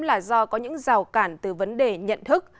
là do có những rào cản từ vấn đề nhận thức